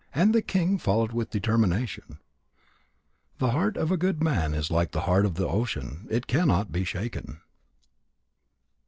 And the king followed with determination. The heart of a good man is like the heart of the ocean. It cannot be shaken.